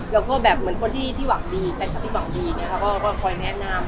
แล้วก็แบบเหมือนคนที่หวังดีแฟนคลับที่หวังดีอย่างนี้ค่ะก็คอยแนะนำ